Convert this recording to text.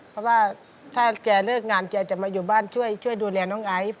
เพราะว่าถ้าแกเลิกงานแกจะมาอยู่บ้านช่วยดูแลน้องไอซ์